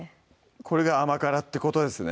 これが甘辛ってことですね